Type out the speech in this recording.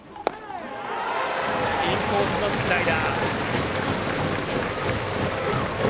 インコースのスライダー。